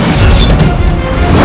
dia harus dihentikan